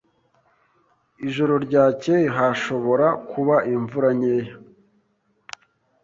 Ijoro ryakeye hashobora kuba imvura nkeya.